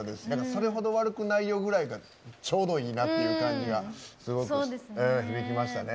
それほど悪くないよぐらいがちょうどいいなっていう感じがすごく響きましたね。